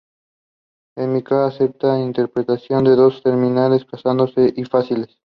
El Mikado acepta esta interpretación, y todos terminan casándose y felices.